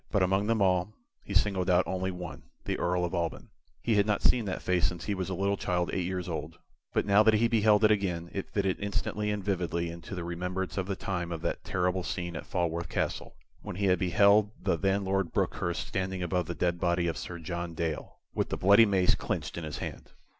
But among them all, he singled out only one the Earl of Alban. He had not seen that face since he was a little child eight years old, but now that he beheld it again, it fitted instantly and vividly into the remembrance of the time of that terrible scene at Falworth Castle, when he had beheld the then Lord Brookhurst standing above the dead body of Sir John Dale, with the bloody mace clinched in his hand.